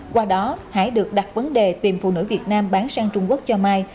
qua đó hải được đặt vấn đề tìm phụ nữ việt nam bán sang trung quốc cho mai